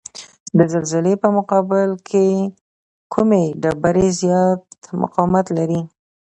د زلزلې په مقابل کې کومې ډبرې زیات مقاومت لري؟